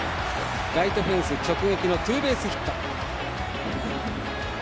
ライトフェンス直撃のツーベースヒット。